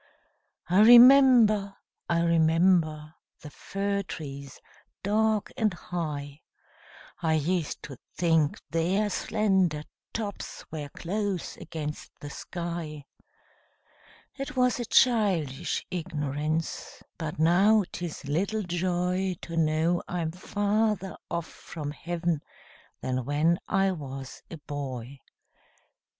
I remember, I remember, The fir trees dark and high; I used to think their slender tops Were close against the sky: It was a childish ignorance, But now 'tis little joy To know I'm farther off from Heav'n Than when I was a boy.